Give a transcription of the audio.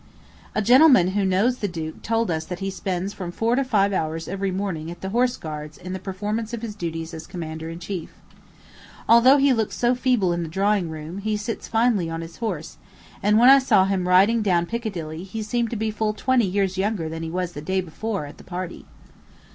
A gentleman who knows the duke told us that he spends from four to five hours every morning at the Horse Guards in the performance of his duties as commander in chief. Although he looks so feeble in the drawing room, he sits finely on his horse; and when I saw him riding down Piccadilly, he seemed to be full twenty years younger than he was the day before at the party.